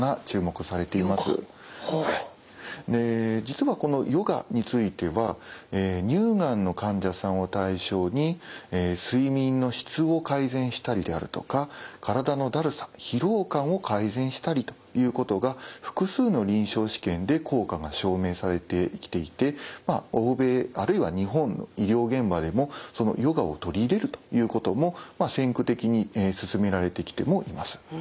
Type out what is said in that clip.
実はこのヨガについては乳がんの患者さんを対象に睡眠の質を改善したりであるとか体のだるさ疲労感を改善したりということが複数の臨床試験で効果が証明されてきていて欧米あるいは日本の医療現場でもヨガを取り入れるということも先駆的に進められてきてもいます。